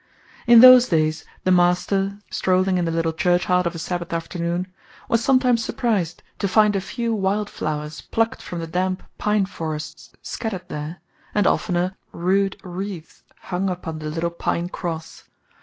In those days the master, strolling in the little churchyard of a Sabbath afternoon, was sometimes surprised to find a few wild flowers plucked from the damp pine forests scattered there, and oftener rude wreaths hung upon the little pine cross.